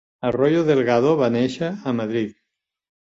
Arroyo Delgado va néixer a Madrid.